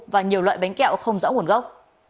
và nhiều loại bánh kẹo không rõ nguồn gốc